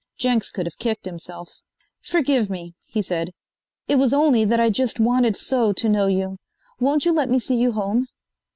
Jenks could have kicked himself. "Forgive me," he said. "It was only that I just wanted so to know you. Won't you let me see you home?"